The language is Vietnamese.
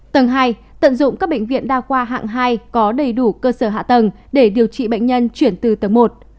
tầng hai tận dụng các bệnh viện đa khoa hạng hai có đầy đủ cơ sở hạ tầng để điều trị bệnh nhân chuyển từ tầng một